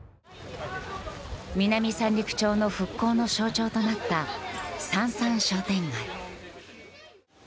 南三陸町の復興の象徴となったさんさん商店街。